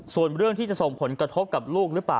ส่วนเรื่องที่จะส่งผลกระทบกับลูกหรือเปล่า